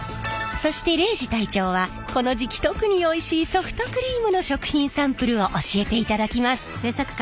そして礼二隊長はこの時期特においしいソフトクリームの食品サンプルを教えていただきます。